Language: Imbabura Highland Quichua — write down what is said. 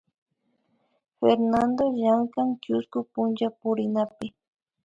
Fernando llankan chusku punchapurinapi